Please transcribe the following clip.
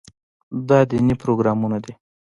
دا دیني پروګرامونه دي.